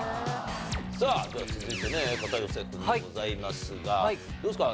さあでは続いてね片寄君でございますがどうですか？